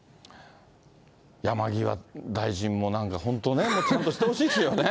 山際大臣もなんか本当ね、もうちゃんとしてほしいですよね。